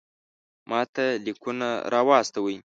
ماته لیکونه را واستوئ.